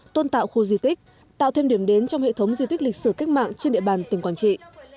tôn tạo khu di tích tạo thêm điểm đến trong hệ thống di tích lịch sử cách mạng trên địa bàn tỉnh quảng trị